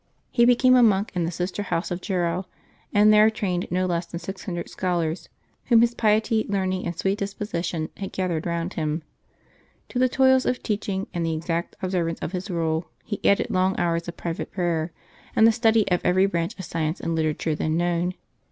He became a monk in the sister house of Jarrow, and there trained no less than six hundred scholars, whom his piet)^, learning, and sweet disposition had gathered round him. To the toils of teaching and the exact observance of his rule he added long hours of private prayer, and the study of every branch of science and literature then known.